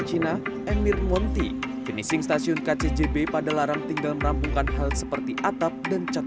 cina emir monty finishing stasiun kcjb pada larang tinggal merampungkan hal seperti atap dan cat